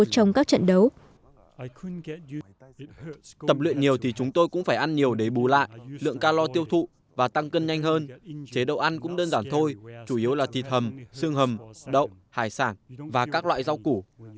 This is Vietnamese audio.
tập luyện nhiều thì chúng tôi cũng phải ăn nhiều để bù lại lượng ca lo tiêu thụ và tăng cân nhanh hơn chế độ ăn cũng đơn giản thôi chủ yếu là thịt thầm xương hầm đậu hải sản và các loại rau củ